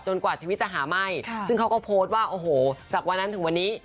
กว่าชีวิตจะหาไหม้ซึ่งเขาก็โพสต์ว่าโอ้โหจากวันนั้นถึงวันนี้